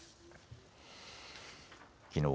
きのう